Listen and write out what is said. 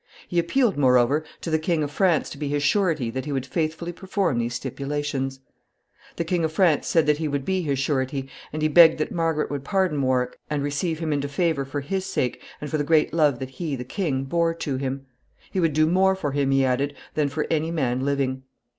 He appealed, moreover, to the King of France to be his surety that he would faithfully perform these stipulations. [Sidenote: King Louis intercedes.] The King of France said that he would be his surety, and he begged that Margaret would pardon Warwick, and receive him into favor for his sake, and for the great love that he, the king, bore to him. He would do more for him, he added, than for any man living.